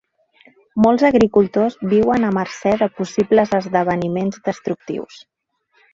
Molts agricultors viuen a mercè de possibles esdeveniments destructius.